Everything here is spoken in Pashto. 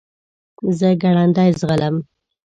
زه ګړندی ځغلم .